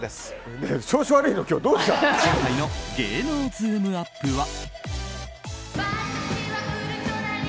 今回の芸能ズームＵＰ！は。